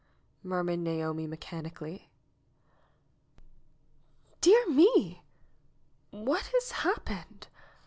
murmured Naomi mechanically. "Dear me ! what has happened